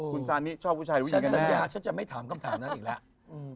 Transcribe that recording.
คุณซานิชอบผู้ชายหรือผู้หญิงกันแน่ฉันสัญญาฉันจะไม่ถามคำถามนั้นอีกแล้ว